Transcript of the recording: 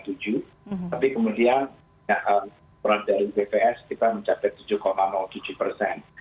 tapi kemudian peran dari bps kita mencapai tujuh tujuh persen